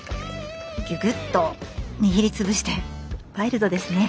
ギュギュッと握り潰してワイルドですね。